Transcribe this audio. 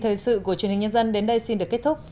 thời sự của truyền hình nhân dân đến đây xin được kết thúc